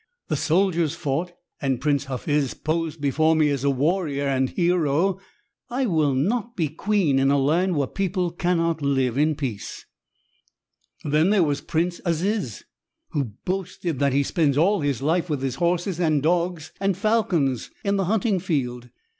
The soldiers fought and Prince Hafiz posed before me as a warrior and hero. I will not be queen in a land where people cannot live in peace. "Then there was Prince Aziz who boasted that he spends all his life with his horses and dogs and falcons in the hunting field.